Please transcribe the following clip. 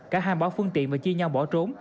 cả hai báo phương tiện và chi nhau bỏ trốn